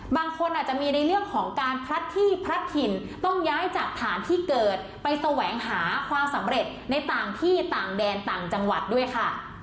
บางคนอาจจะมีในเรื่องของการพลัดที่พลัดถิ่นต้องย้ายจากฐานที่เกิดไปแสวงหาความสำเร็จในต่างที่ต่างแดนต่างจังหวัดด้วยค่ะ